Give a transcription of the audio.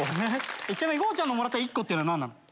ちなみにごうちゃんのもらった１個っていうのは何なの？